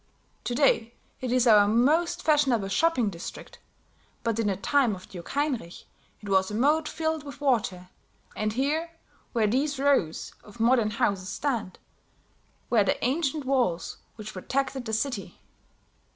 To day it is our most fashionable shopping district; but in the time of Duke Heinrich it was a moat filled with water; and here, where these rows of modern houses stand, were the ancient walls which protected the city."